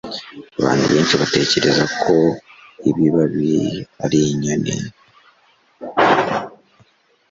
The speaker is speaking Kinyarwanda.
Abantu benshi batekereza ko ibibabi ari inyoni